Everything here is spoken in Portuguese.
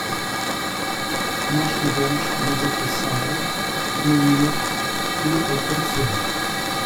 Nós tivemos que nos apressar no minuto que aconteceu!